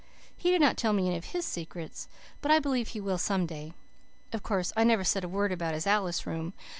He did not tell me any of his secrets, but I believe he will some day. Of course I never said a word about his Alice room.